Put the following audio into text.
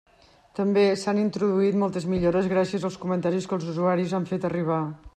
També s'han introduït moltes millores gràcies als comentaris que els usuaris han fet arribar.